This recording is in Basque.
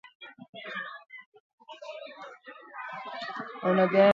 Hortxe hasi ziren istiluak, eta bi taldeetako jokalariek parte hartu zuten.